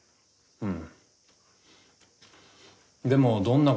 うん。